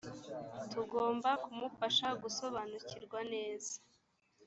tugomba kumufasha gusobanukirwa neza